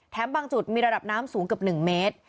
บางจุดมีระดับน้ำสูงเกือบ๑เมตร